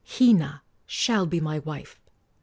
Hina shall be my wife."